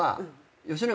「吉永」！？